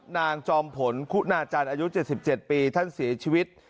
จอมผลคุณาจันทร์อายุ๗๗ปีท่านเสียชีวิต